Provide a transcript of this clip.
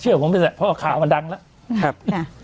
เชื่อผมไปใส่เพราะว่าข่าวมันดังแล้ว